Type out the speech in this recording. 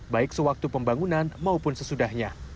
baik sewaktu pembangunan maupun sesudahnya